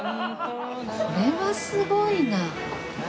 これはすごいな。